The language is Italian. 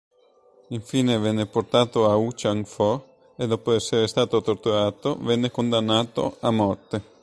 Infine venne portato a Ou-Tchang-Fo e, dopo essere stato torturato, venne condannato a morte.